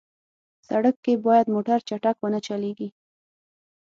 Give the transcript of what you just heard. سړک کې باید موټر چټک ونه چلېږي.